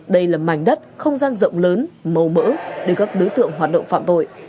đây là mảnh đất không gian rộng lớn màu mỡ để các đối tượng hoạt động phạm tội